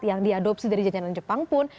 yang diadopsi dari jajanan jepang pun